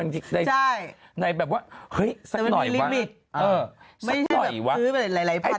ใช่แต่มันมีลิมิตใช่ไม่ใช่แบบซื้อไปหลายพัน